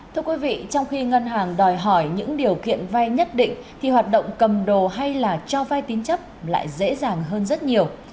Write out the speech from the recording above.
thưa quý vị trong khi ngân hàng đòi hỏi những điều kiện vay nhất định thì hoạt động cầm đồ hay là cho vai tín chấp lại dễ dàng hơn rất nhiều